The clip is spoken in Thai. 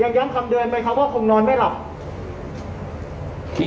ย้ำคำเดิมไหมครับว่าคงนอนไม่หลับ